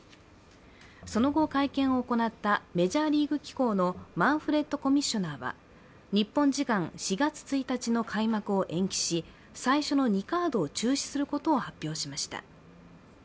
その後、会見を行ったメジャーリーグ機構のマンフレッドコミッショナーは、日本時間４月１日の開幕を延期し最初の２カードを中止することを発表しました。